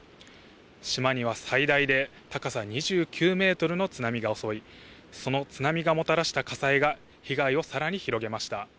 島には最大で高さ２９メートルの津波が襲い、その津波がもたらした火災が被害をさらに広げました。